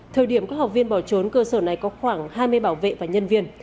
thời điểm các học viên bỏ trốn cơ sở này có khoảng hai mươi bảo vệ